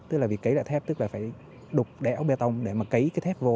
tức là việc cấy lại thép tức là phải đục đẻo bê tông để mà cấy cái thép vô